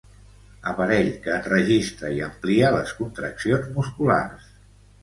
Aparell que enregistra i amplia les contraccions musculars.